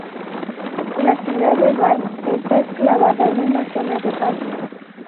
La ciudad de Valls está enclavada en una zona de paso.